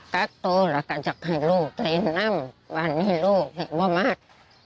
การ์ดโตแล้วก็จะให้ลูกเล่นน้ำวันให้ลูกให้ประมาท